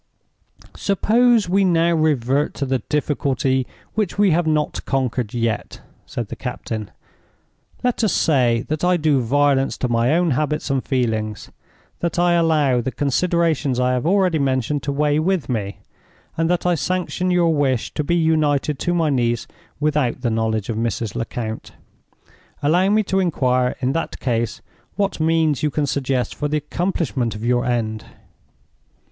"Suppose we now revert to the difficulty which we have not conquered yet," said the captain. "Let us say that I do violence to my own habits and feelings; that I allow the considerations I have already mentioned to weigh with me; and that I sanction your wish to be united to my niece without the knowledge of Mrs. Lecount. Allow me to inquire in that case what means you can suggest for the accomplishment of your end?"